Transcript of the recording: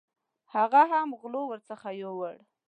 هغه هم غلو ورڅخه یوړې.